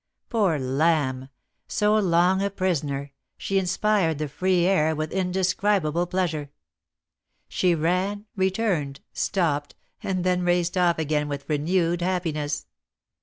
Poor lamb! so long a prisoner, she inspired the free air with indescribable pleasure. She ran, returned, stopped, and then raced off again with renewed happiness.